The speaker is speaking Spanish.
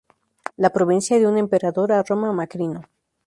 La provincia dio un emperador a Roma, Macrino.